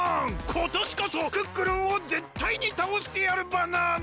ことしこそクックルンをぜったいにたおしてやるバナナ！